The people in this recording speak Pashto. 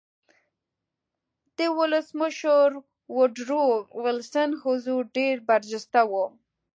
د ولسمشر ووډرو وېلسن حضور ډېر برجسته و